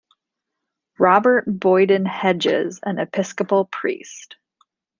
Robert Boyden Hedges, an Episcopal priest.